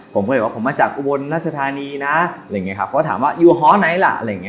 ผมก็เรียกว่าผมมาจากอุบลรัชธานีนะเพราะถามว่าอยู่หอไหนล่ะ